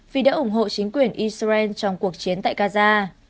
vì đã ủng hộ chính quyền israel trong cuộc chiến tại gaza